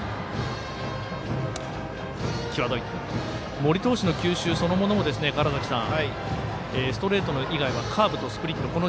森投手の球種そのものも川原崎さんストレート以外はカーブとスプリット。